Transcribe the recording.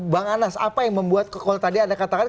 bang anas apa yang membuat kalau tadi anda katakan